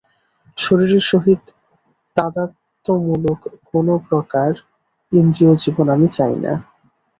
শরীরের সহিত তাদাত্ম্যমূলক কোন প্রকার ইন্দ্রিয়-জীবন আমি চাই না।